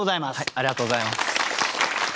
ありがとうございます。